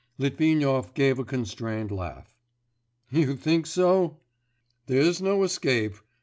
Litvinov gave a constrained laugh. 'You think so?' 'There's no escape.